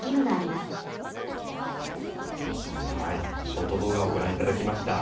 ショート動画をご覧いただきました。